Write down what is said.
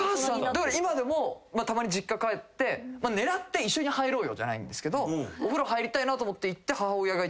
だから今でもたまに実家帰って狙って一緒に入ろうよじゃないんですけどお風呂入りたいと思って行って。